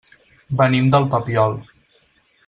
Venim del Papiol.